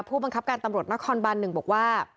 ผู้บังคับการตำรวจนครบัน๑บอกว่า